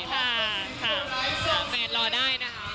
ค่ะค่ะแฟนรอได้นะคะ